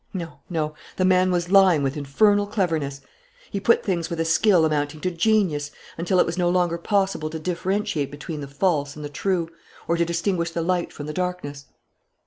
No, no, the man was lying with infernal cleverness. He put things with a skill amounting to genius, until it was no longer possible to differentiate between the false and the true, or to distinguish the light from the darkness.